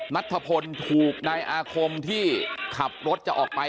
นัทธพลถูกนายอาคมที่ขับรถจะออกไป